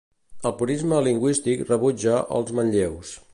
El purisme lingüístic rebutja els manlleus.